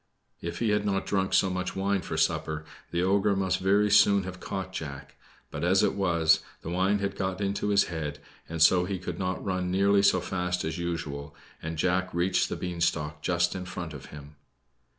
If he had not drunk so much wine for supper, the ogre must very soon have caught Jack; but as it was, the wine had got into his head, and so he could not run nearly so fast as usual, and Jack reached the beanstalk just in front of him.